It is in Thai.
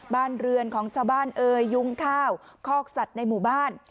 บ้านเรือนของชาวบ้านเอ่ยยุ้งข้าวคอกสัตว์ในหมู่บ้าน